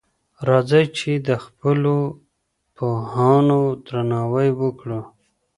راځئ چی د خپلو پوهانو درناوی وکړو.